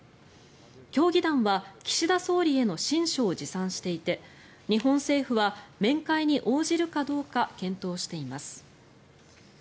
協議団は岸田総理への親書を持参していて日本政府は面会に応じるかどうか検討しています。